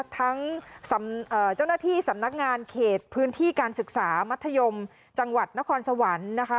ทั้งเจ้าหน้าที่สำนักงานเขตพื้นที่การศึกษามัธยมจังหวัดนครสวรรค์นะคะ